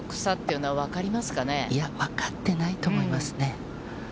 いや、分かってないと思いますね。